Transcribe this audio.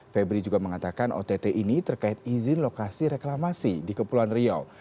febri juga mengatakan ott ini terkait izin lokasi reklamasi di kepulauan riau